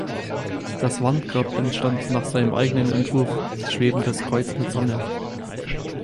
Das Wandgrab entstand nach seinem eigenen Entwurf "Schwebendes Kreuz mit Sonne".